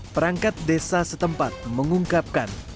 perangkat desa setempat mengungkapkan